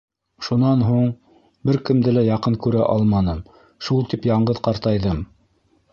Шунан һуң бер кемде лә яҡын күрә алманым, шул тип яңғыҙ ҡартайҙым.